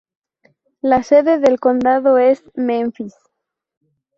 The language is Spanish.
La sede del condado es Memphis.